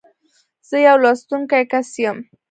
زه يو لوستونکی کس یم.